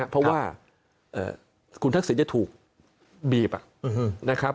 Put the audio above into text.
เพราะคุณทักศิลป์ที่จะถูกบีบ